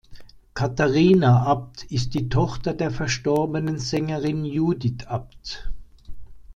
Katharina Abt ist die Tochter der verstorbenen Sängerin Judith Abt.